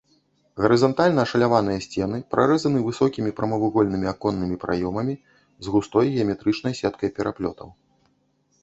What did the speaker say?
Гарызантальна ашаляваныя сцены прарэзаны высокімі прамавугольнымі аконнымі праёмамі з густой геаметрычнай сеткай пераплётаў.